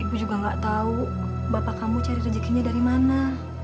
ibu juga gak tahu bapak kamu cari rezekinya dari mana